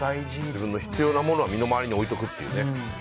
自分に必要なものは周りに置いておくっていうね。